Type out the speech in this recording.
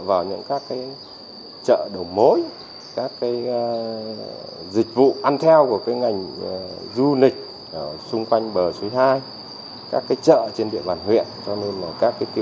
và các cái để nâng cao sản xuất dứa chưa phát triển mạnh